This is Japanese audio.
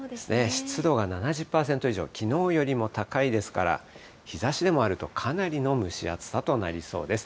湿度が７０％以上、きのうよりも高いですから、日ざしでもあると、かなりの蒸し暑さとなりそうです。